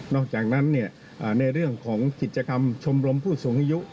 อกจากนั้นในเรื่องของกิจกรรมชมรมผู้สูงอายุ